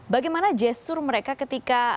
bagaimana gestur mereka ketika